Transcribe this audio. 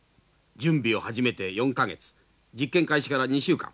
準備を始めて４か月実験開始から２週間。